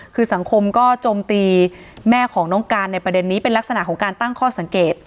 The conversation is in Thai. คือสังคมก็โจมตีแม่ของน้องการในประเด็นนี้เป็นลักษณะของการตั้งข้อสังเกต